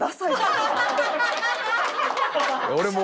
俺も。